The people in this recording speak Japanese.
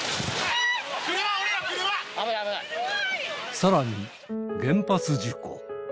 さらに、原発事故。